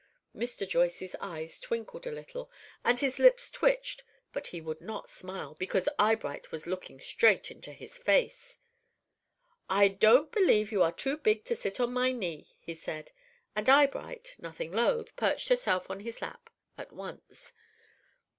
Mr. Joyce's eyes twinkled a little, and his lips twitched; but he would not smile, because Eyebright was looking straight into his face. "I don't believe you are too big to sit on my knee," he said; and Eyebright, nothing loth, perched herself on his lap at once.